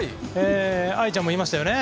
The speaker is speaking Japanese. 藍ちゃんもいましたよね。